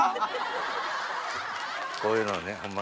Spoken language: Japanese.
こういうのをねホンマ。